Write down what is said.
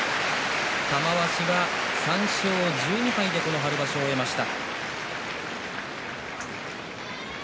玉鷲は３勝１２敗で春場所を終えました。